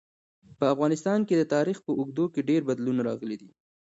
په افغانستان کي د تاریخ په اوږدو کي ډېر بدلونونه راغلي دي.